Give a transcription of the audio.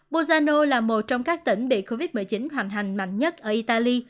busano là một trong các tỉnh bị covid một mươi chín hoành hành mạnh nhất ở italy